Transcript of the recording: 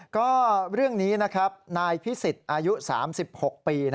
ก็เรื่องนี้นะครับนายพิสิทธิ์อายุ๓๖ปี